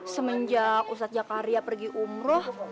semenjak ustadz jakaria pergi umroh